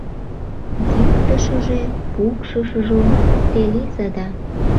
Йӱктышыжӧ-пукшышыжо те лийза да